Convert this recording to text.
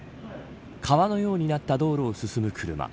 川のようになった道路を進む車。